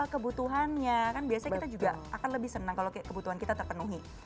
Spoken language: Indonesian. kebutuhannya kan biasanya kita juga akan lebih senang kalau kebutuhan kita terpenuhi